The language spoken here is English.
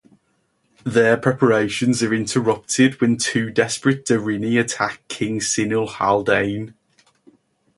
Their preparations are interrupted when two desperate Deryni attack King Cinhil Haldane.